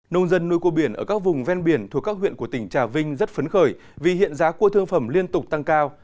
nông dân nuôi cua biển ở các vùng ven biển thuộc các huyện của tỉnh trà vinh rất phấn khởi vì hiện giá cua thương phẩm liên tục tăng cao